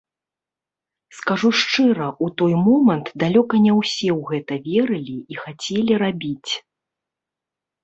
Скажу шчыра, у той момант далёка не ўсе ў гэта верылі і хацелі рабіць.